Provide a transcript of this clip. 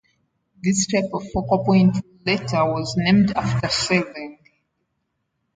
This type of focal point later was named after Schelling.